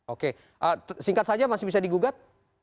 oke singkat saja masih bisa digugat